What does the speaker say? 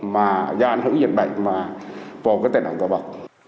mà do ảnh hưởng dịch bệnh mà vô cái tài năng cơ bọc